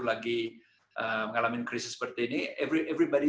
lagi mengalami krisis seperti ini everybody